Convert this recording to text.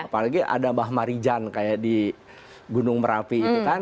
apalagi ada mbah marijan kayak di gunung merapi itu kan